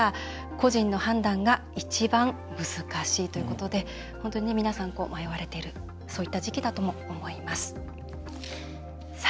個人の判断が一番難しいということで本当に皆さん迷われているそういった時期だと思います。